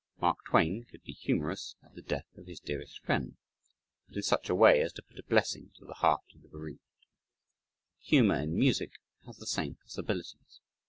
Mark Twain could be humorous at the death of his dearest friend, but in such a way as to put a blessing into the heart of the bereaved. Humor in music has the same possibilities.